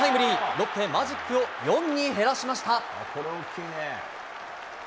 ロッテ、マジックを４に減らしました。